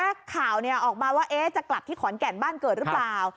ข่าวออกมาว่าจะกลับที่ขอนแก่นบ้านเกิดหรือเปล่า